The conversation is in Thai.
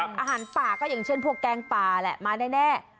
อาหารป่าก็อย่างเช่นพวกแกงป่าแหละมาแน่